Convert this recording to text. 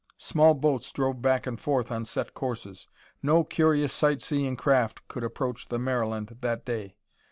Small boats drove back and forth on set courses; no curious sight seeing craft could approach the Maryland that day.